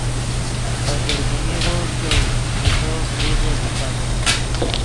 پے دربینیغو چوئے لے تو ڤریغے دیفت